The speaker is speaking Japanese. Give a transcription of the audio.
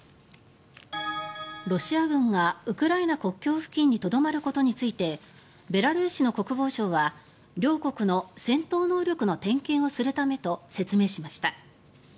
ロシア軍がウクライナ国境付近にとどまることについてベラルーシの国防省は両国の戦闘能力の点検をするためと説明しました。